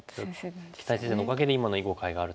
木谷先生のおかげで今の囲碁界があるというか。